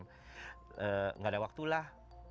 tidak ada waktulah